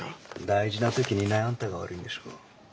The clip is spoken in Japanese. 大事な時にいないあんたが悪いんでしょ。